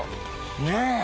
ねえ。